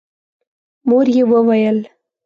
مور يې وويل: